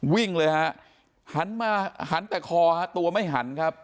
วิ่งเลยฮะหันมาหันแต่คอฮะตัวไม่หันครับ